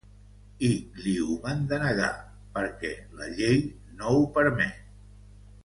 I li ho van denegar, perquè ‘la llei no ho permet’.